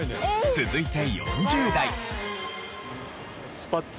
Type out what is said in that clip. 続いて４０代。